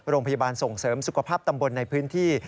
โรงพยาบาลส่งเสริมสุขภาพตำบลในพื้นที่